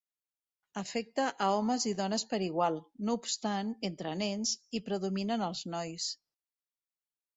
Afecta a homes i dones per igual; no obstant, entre nens, hi predominen els nois.